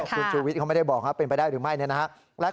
คุณชุวิตเขาไม่ได้บอกว่าเป็นไปได้หรือไม่นี่นะวัง